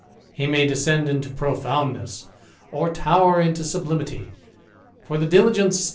He may descend into profoundness, or tower into sublimity; for the diligaice THE IDLER.